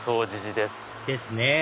ですね